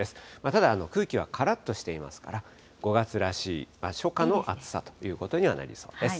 ただ、空気はからっとしていますから、５月らしい初夏の暑さということにはなりそうです。